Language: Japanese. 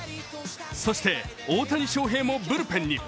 そして大谷翔平もブルペンへ。